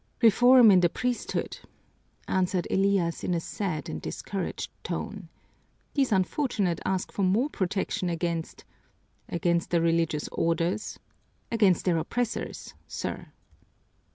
"Reform in the priesthood," answered Elias in a sad and discouraged tone. "These unfortunates ask for more protection against " "Against the religious orders?" "Against their oppressors, sir."